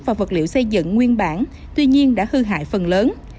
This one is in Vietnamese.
và vật liệu xây dựng nguyên bản tuy nhiên đã hư hại phần lớn